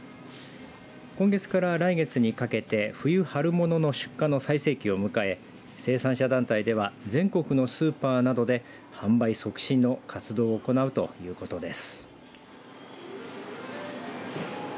今月から来月にかけて冬春ものの出荷の最盛期を迎え生産者団体では全国のスーパーなどで販売促進の活動を行うということです。